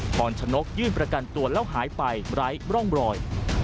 พรชนกยื่นประกันตัวแล้วหายไปไร้ร่องรอย